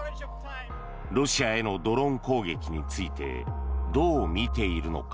ロシアへのドローン攻撃についてどう見ているのか。